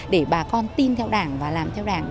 để bà con tin theo đảng và làm theo đảng